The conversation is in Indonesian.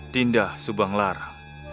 dinda subang lara